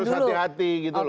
jadi harus hati hati gitu loh